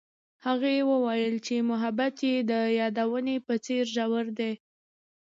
هغې وویل محبت یې د یادونه په څېر ژور دی.